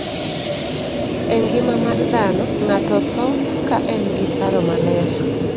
E ngima mar dhano, ng'ato tho ka en gi paro maler.